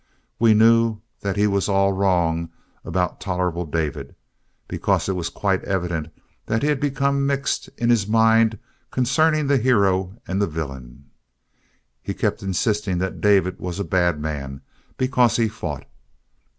We knew that he was all wrong about "Tol'able David" because it was quite evident that he had become mixed in his mind concerning the hero and the villain. He kept insisting that David was a bad man because he fought.